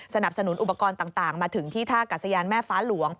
สนับสนุนอุปกรณ์ต่างมาถึงที่ท่ากัศยานแม่ฟ้าหลวง